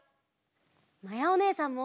まやおねえさんも！